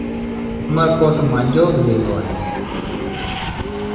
اُمر ڪوٽ مآݩجو زلو با اهي۔